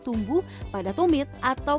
tumbuh pada tumit atau